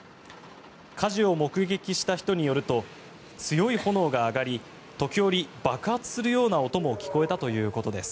火事を目撃した人によると強い炎が上がり時折、爆発するような音も聞こえたということです。